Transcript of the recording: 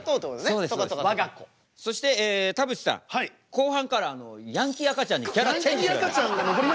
後半からヤンキー赤ちゃんにキャラチェンジしてください。